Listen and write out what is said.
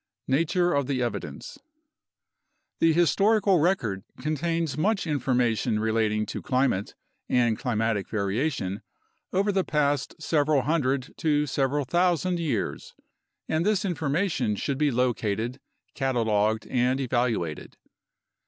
Nature of the Evidence The historical record contains much information relating to climate and climatic variation over the past several hundred to several thousand years, and this information should be located, cataloged, and evaluated.